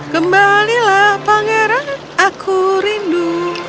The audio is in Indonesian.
kembalilah pangeran aku rindu